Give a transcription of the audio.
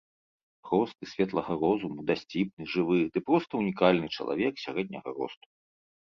Просты, светлага розуму, дасціпны, жывы, ды проста унікальны чалавек сярэдняга росту.